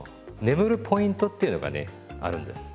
眠るポイントっていうのがねあるんです。